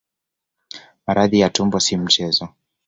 Maradhi ya tumbo sio mchezo